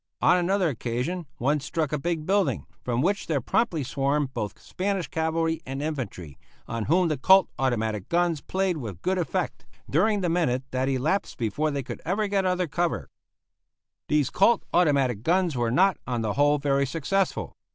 On another occasion one struck a big building, from which there promptly swarmed both Spanish cavalry and infantry, on whom the Colt automatic guns played with good effect, during the minute that elapsed before they could get other cover. These Colt automatic guns were not, on the whole, very successful.